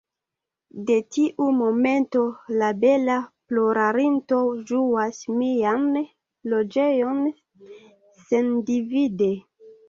De tiu momento, la bela plorantino ĝuas mian loĝejon sendivide.